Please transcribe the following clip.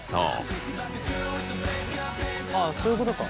ああそういうことか。